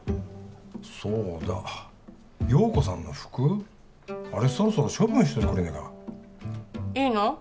そうだ陽子さんの服あれそろそろ処分しといてくれないかないいの？